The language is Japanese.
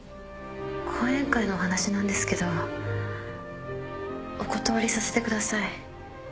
講演会のお話なんですけどお断りさせてください。